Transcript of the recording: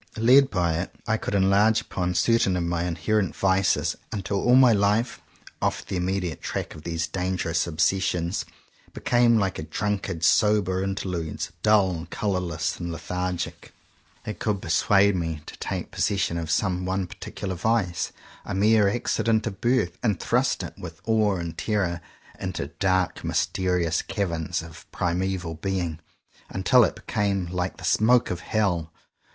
Led by it I could enlarge upon certain of my inherited vices, until, all my life, off the immediate track of these dangerous obsessions, became like a drunkard's sober interludes, dull, colourless, and lethargic. 31 CONFESSIONS OF TWO BROTHERS It could persuade me to take possession of some one particular vice — a mere acci dent of birth — and thrust it, with awe and terror, into dark mysterious caverns of primeval being, until it became like the smoke of Hell.